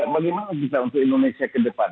bagaimana kita untuk indonesia ke depan